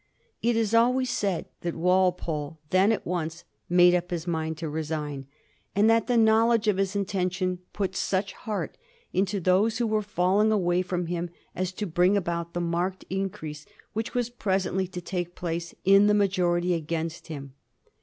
It is always said that Walpole then at once made up his mind to resign; and that the knowledge of his intention put such heart into those who .were fall ing away from him as to bring aboat the marked increase which was presently to take place in the majority against him.